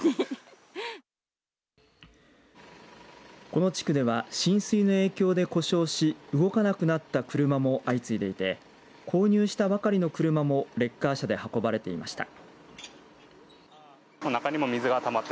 この地区では浸水の影響で故障し動かなくなった車も相次いでいて購入したばかりの車もレッカー車で運ばれていました。